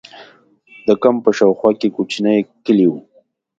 د کمپ په شا او خوا کې کوچنۍ کلي وو.